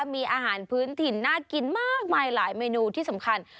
มีอาหารพื้นถิ่นน่ากินมากมายหลายเมนูที่สำคัญ